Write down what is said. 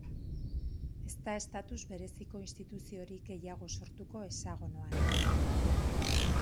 Ez da estatus bereziko instituziorik gehiago sortuko Hexagonoan.